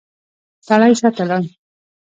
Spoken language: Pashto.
سړی شاته لاړ.